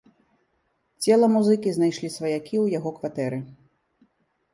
Цела музыкі знайшлі сваякі ў яго кватэры.